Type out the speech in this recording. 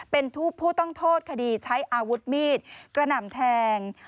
เป็นผู้ต้องโทษคดีใช้อาวุธมีดกระหน่ำแทง